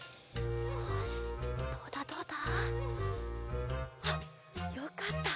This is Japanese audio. よしどうだどうだ？あっよかった。